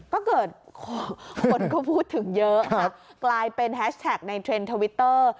ก็เกิดคนก็พูดถึงเยอะนะกลายเป็นแฮชแท็กในเทรนด์ทวิตเตอร์